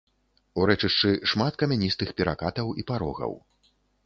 У рэчышчы шмат камяністых перакатаў і парогаў.